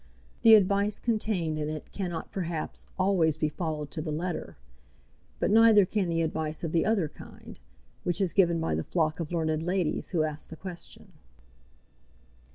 The advice contained in it cannot, perhaps, always be followed to the letter; but neither can the advice of the other kind, which is given by the flock of learned ladies who ask the question.